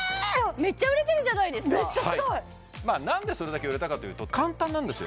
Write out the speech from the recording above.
めっちゃ売れてるじゃないですか何でそれだけ売れたかというと簡単なんですよ